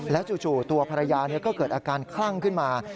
จู่ตัวภรรยาก็เกิดอาการคลั่งขึ้นมา